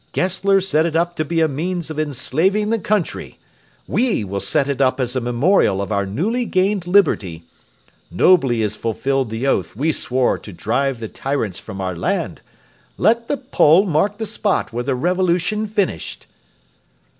"Gessler set it up to be a means of enslaving the country; we will set it up as a memorial of our newly gained liberty. Nobly is fulfilled the oath we swore to drive the tyrants from our land. Let the pole mark the spot where the revolution finished."